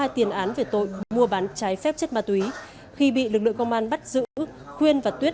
hai tiền án về tội mua bán trái phép chất ma túy khi bị lực lượng công an bắt giữ khuyên và tuyết